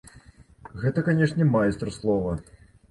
Гэта, канешне, майстар слова.